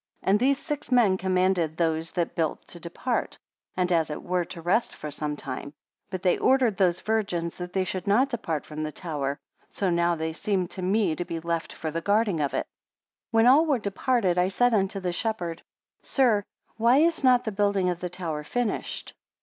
41 And these six men commanded those that built to depart, and as it were to rest for some time; but they ordered those virgins that they should not depart from the tower; so now they seemed to me to be left for the guarding of it. 42 When all were departed, I said unto the shepherd; Sir, why is not the building of the tower finished?